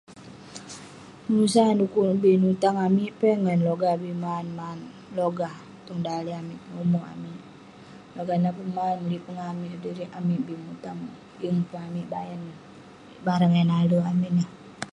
Penusah neh du'kuk neh bi nutang amik peh eh ngan logah bi man man..logah tong daleh amik, tong umerk amik..logah nah pun man..mulik peh ngan amik sedirik, amik bi mutang, yeng pun amik bayan barang eh nalek amik ineh